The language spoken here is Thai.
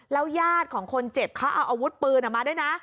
แล้วยาดของคนเจ็บเขาเอาอาวุธปืนออกมาด้วยนะ